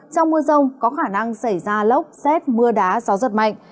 trong mưa rông có khả năng xảy ra lốc xét mưa đá gió giật mạnh